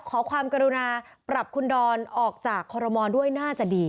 ขอความกรุณาปรับคุณดอนออกจากคอรมอลด้วยน่าจะดี